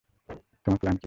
তোমার প্লান কি?